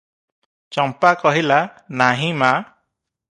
ଚମ୍ପା କହିଲା, "ନାହିଁ ମା!